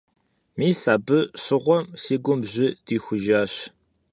Мис абы щыгъуэм си гум жьы дихужащ.